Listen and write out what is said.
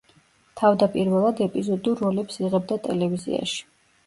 თავდაპირველად ეპიზოდურ როლებს იღებდა ტელევიზიაში.